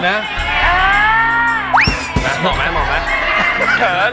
เผาหมอกไหม